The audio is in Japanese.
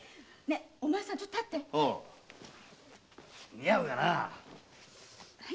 似合うかな？